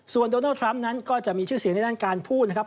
ส่วนโดนัลดทรัมป์นั้นก็จะมีชื่อเสียงในด้านการพูดนะครับ